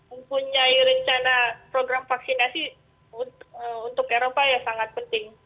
mempunyai rencana program vaksinasi untuk eropa ya sangat penting